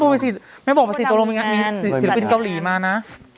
พี่ตัวลงมีสิริปปินเกาหลีมานะ